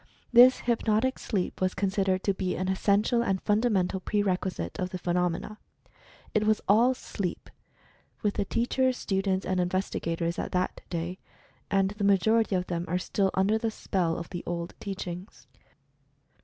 This "hypnotic sleep" was considered to be an essential and fundamental pre requisite of the phenomena. It was all "SLEEP," with the teachers, students, and investi gators at that day — and the majority of them are still under the spell of the old teachings.